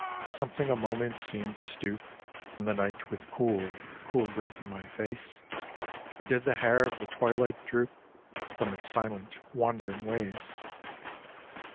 Something a moment seemed to stoop from The night with cool, cool breath on my face Or did the hair of the twilight droop from . Its silent wandering ways